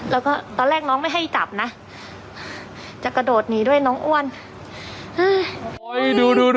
แล้วก็ตอนแรกน้องไม่ให้จับนะจะกระโดดหนีด้วยน้องอ้วนอืม